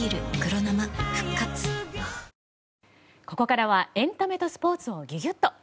ここからはエンタメとスポーツをギュギュっと。